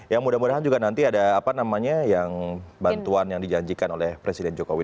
ya mudah mudahan juga nanti ada apa namanya yang bantuan yang dijanjikan oleh presiden jokowi